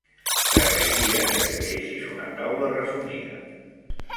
T'agrairia que creessis una taula resumida.